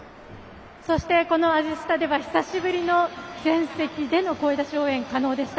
そして、この味スタでは久しぶりの全席での声出し応援可能でした。